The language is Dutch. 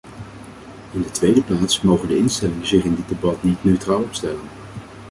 In de tweede plaats mogen de instellingen zich in dit debat niet neutraal opstellen.